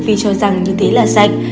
vì cho rằng như thế là sạch